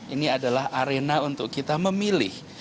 ini adalah arena untuk kita memilih